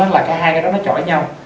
là cái hai cái đó nó chọi nhau